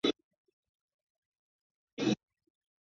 宗祠和祭祀文化的兴盛是宁化人祖先崇拜的标志。